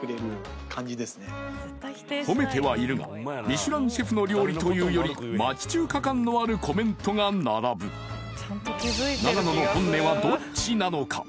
褒めてはいるがミシュランシェフの料理というより町中華感のあるコメントが並ぶどっちなのか？